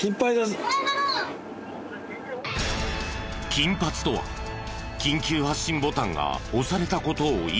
緊発とは緊急発信ボタンが押された事を意味する。